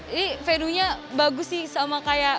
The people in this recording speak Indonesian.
ini venue nya bagus sih